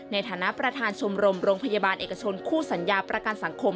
ในฐานะประธานชมรมโรงพยาบาลเอกชนคู่สัญญาประกันสังคม